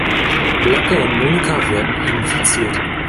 Blake und Monica werden infiziert.